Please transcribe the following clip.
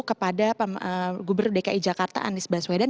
kepada gubernur dki jakarta anies baswedan